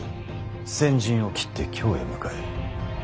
先陣を切って京へ向かえ。